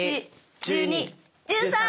１２１３！